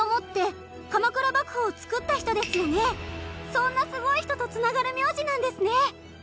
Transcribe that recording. そんなすごい人と繋がる名字なんですね！